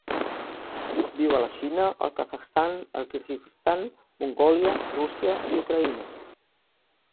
Viu a la Xina, el Kazakhstan, el Kirguizistan, Mongòlia, Rússia i Ucraïna.